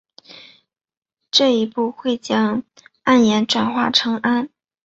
这一步会将铵盐转化成氨。